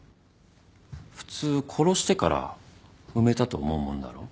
普通殺してから埋めたと思うもんだろう？